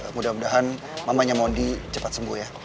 mudah mudahan mamanya modi cepat sembuh ya